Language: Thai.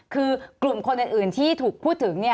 คือกลุ่มคนอื่นที่ถูกพูดถึง